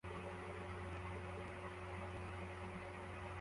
Madamu wa Perezida Laura Bush kuri podium